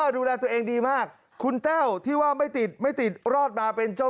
ดูแลตัวเองดีมากคุณแต้วที่ว่าไม่ติดไม่ติดรอดมาเป็นเจ้า